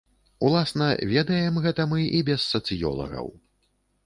Уласна, ведаем гэта мы і без сацыёлагаў.